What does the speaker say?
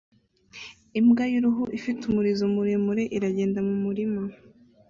Imbwa y'uruhu ifite umurizo muremure iragenda mu murima